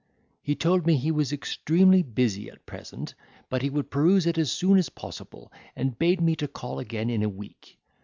He told me he was extremely busy at present, but he would peruse it as soon as possible, and bade me to call again in a week.